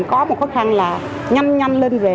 có một khó khăn là nhanh nhanh lên về